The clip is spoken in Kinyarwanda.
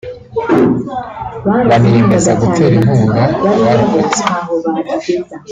baniyemeza gutera inkunga abarokotse